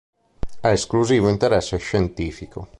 Ha esclusivo interesse scientifico.